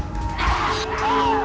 terbayang serang satu putri